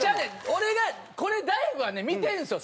俺がこれ大悟はね見てるんですよ